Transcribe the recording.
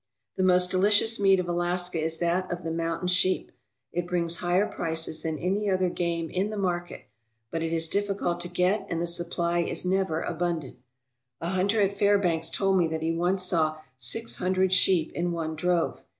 The most delicious meat of Alaska is that of the moun tain sheep. It brings higher prices than any other game in the market, but it is difficult to get and the supply is never abundant. A hunter at Fairbanks told me that he once saw six hundred sheep in one drove.